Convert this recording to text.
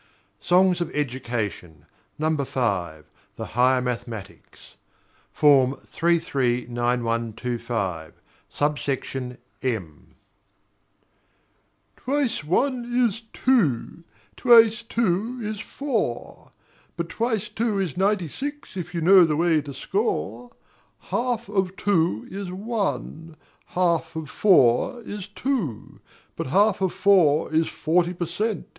SONGS OF EDUCATION: V. THE HIGHER MATHEMATICS Form 339125, Sub Section M Twice one is two, Twice two is four, But twice two is ninety six if you know the way to score. Half of two is one, Half of four is two, But half of four is forty per cent.